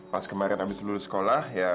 pas kemarin abis lulus sekolah